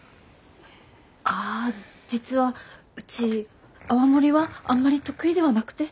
あ実はうち泡盛はあんまり得意ではなくて。